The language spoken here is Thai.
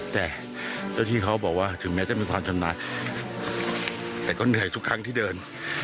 แต่เจ้าที่เขาบอกว่าถึงแม้จะมีความชำนาญแต่ก็เหนื่อยทุกครั้งที่เดิน